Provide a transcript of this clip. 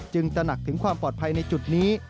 ตระหนักถึงความปลอดภัยในจุดนี้